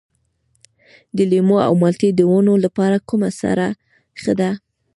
د لیمو او مالټې د ونو لپاره کومه سره ښه ده؟